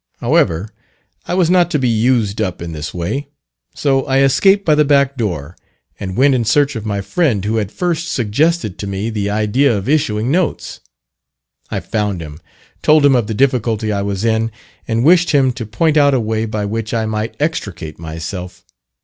However, I was not to be "used up" in this way; so I escaped by the back door, and went in search of my friend who had first suggested to me the idea of issuing notes. I found him, told him of the difficulty I was in, and wished him to point out a way by which I might extricate myself.